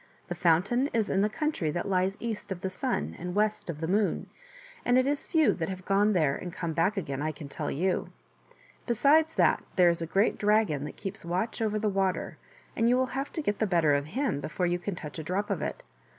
The fountain is in the country that lies east of the Sun and west of the Moon, and it is few that have gone there and come back again, I can tell you. Besides that there is a great dragon that keeps watch over the water, and you will have to get the better of him before you can touch a drop of it.